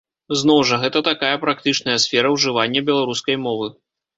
Зноў жа, гэта такая практычная сфера ўжывання беларускай мовы.